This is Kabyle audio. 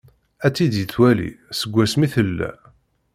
Ad-tt-id-yettwali, seg wass mi tella.